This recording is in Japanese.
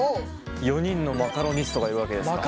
４人のマカロニストがいるわけですか。